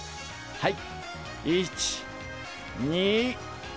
はい！